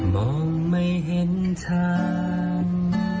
มองไม่เห็นฉัน